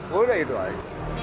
sudah itu saja